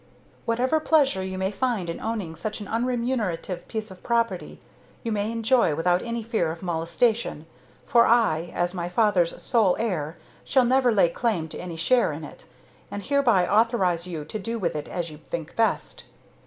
"Whatever pleasure you may find in owning such an unremunerative piece of property you may enjoy without any fear of molestation, for I, as my father's sole heir, shall never lay claim to any share in it, and hereby authorize you to do with it as you think best.